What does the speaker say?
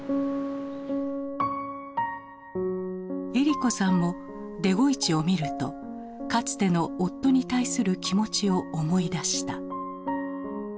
えり子さんもデゴイチを見るとかつての夫に対する気持ちを思い出した。